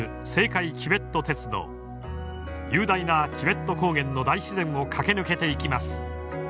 雄大なチベット高原の大自然を駆け抜けていきます。